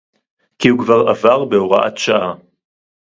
כי הוא כבר עבר בהוראת שעה